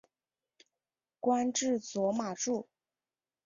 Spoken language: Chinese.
官至左马助。